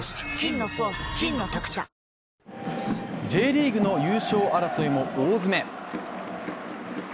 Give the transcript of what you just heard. Ｊリーグの優勝争いも大詰め。